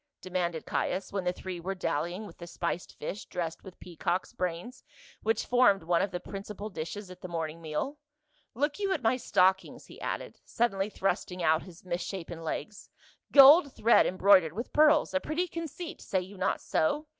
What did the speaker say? demanded Caius, when the three were dallying with the spiced fish dressed with peacock's brains which formed one of the princi 156 PA UL. pal dishes at the morning meal. " Look you at my stockings," he added, suddenly thrusting out his mis shapen legs, " gold thread embroidered with pearls ; a pretty conceit, say you not so